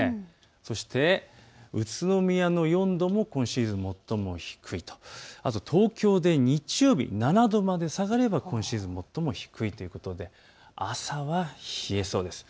そして宇都宮の４度も今シーズン最も低い、東京で日曜日、７度まで下がれば今シーズン最も低いということで朝は冷えそうです。